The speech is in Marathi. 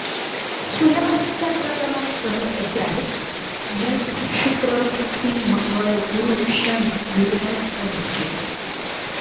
सूर्यापासूनच्या अंतराप्रमाणे ग्रह असे आहेत बुध, शुक्र, पृथ्वी, मंगळ, गुरू, शनी, युरेनस व नेपच्यून.